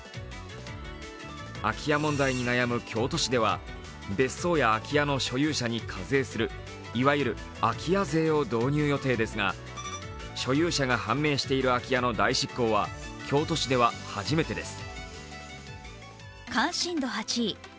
空き家問題に悩む京都市では別荘や空き家の所有者に課税する、いわゆる空き家税を導入予定ですが所有者が判明している空き家の代執行は京都市では初めてです。